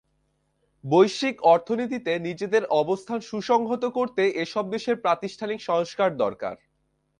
বৈশ্বিক অর্থনীতিতে নিজেদের অবস্থান সুসংহত করতে এসব দেশের প্রাতিষ্ঠানিক সংস্কার দরকার।